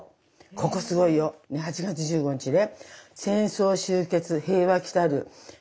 ここすごいよ８月１５日ね。